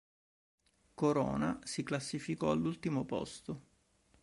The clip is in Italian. Corona si classificò all'ultimo posto.